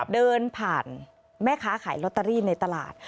เดินผ่านแม่ค้าขายลอตเตอรี่ในตลาด